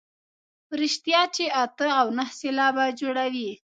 په رښتیا چې اته او نهه سېلابه جوړوي.